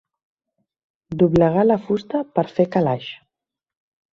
Doblegar la fusta per fer calaix.